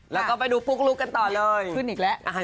เราก็ไปดูพุกรุกกันต่อเลย